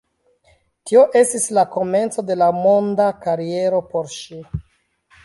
Tio estis la komenco de monda kariero por ŝi.